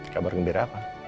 kabar gembira apa